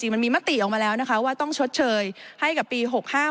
มันมีมติออกมาแล้วนะคะว่าต้องชดเชยให้กับปี๖๕